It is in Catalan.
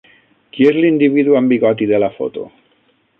Qui és l'individu amb bigoti de la foto?